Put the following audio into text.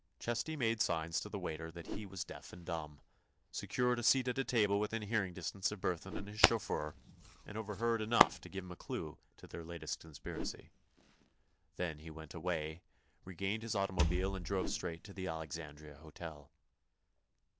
Chesty made signs to the waiter that he was deaf and dumb, secured a seat at a table within hearing distance of Burthon and his chauffeur, and overheard enough to give him a clew to their latest conspiracy. Then he went away, regained his automobile and drove straight to the Alexandria Hotel.